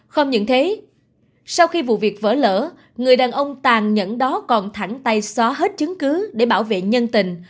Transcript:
không những thế sau khi vụ việc vỡ lở người đàn ông tàn nhẫn đó còn thẳng tay xóa hết chứng cứ để bảo vệ nhân tình